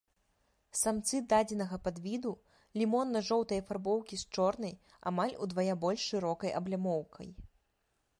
Самцы дадзенага падвіду лімонна-жоўтай афарбоўкі з чорнай, амаль удвая больш шырокай аблямоўкай.